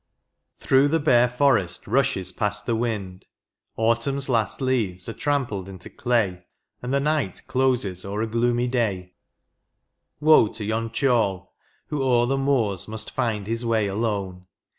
Through the bare forest rushes past the wind, Autumn's last leaves are trampled into clay, And the night closes o'er a gloomy day : Woe to yon ceorl, who o'er the moors must find His way alone